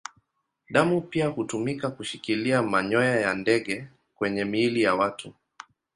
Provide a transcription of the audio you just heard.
Damu pia hutumika kushikilia manyoya ya ndege kwenye miili ya watu.